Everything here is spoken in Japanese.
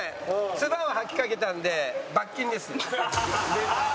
唾を吐きかけたんで罰金です。